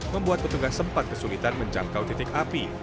membuat petugas sempat kesulitan menjangkau titik api